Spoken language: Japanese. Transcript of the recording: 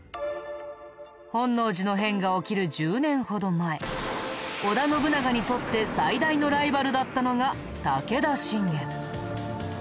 本能寺の変が起きる１０年ほど前織田信長にとって最大のライバルだったのが武田信玄。